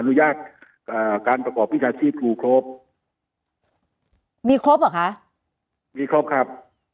อนุญาตอ่าการประกอบวิชาชีพครูครบมีครบเหรอคะมีครบครับ